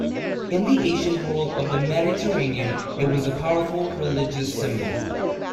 In the ancient world of the Mediterranean, it was a powerful religious symbol.